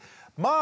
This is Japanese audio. あ